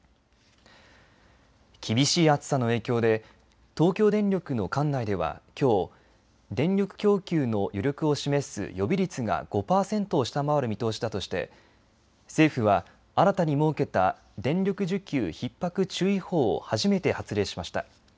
厳しい暑さの影響で東京電力の管内ではきょう、電力供給の余力を示す予備率が５％を下回る見通しだとして政府は新たに設けた電力需給ひっ迫注意報を初めて発令しました。